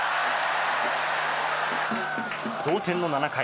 同点の７回。